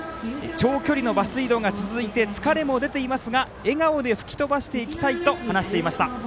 長距離のバス移動が続いて疲れも出ていますが笑顔で吹き飛ばしていきたいと話していました。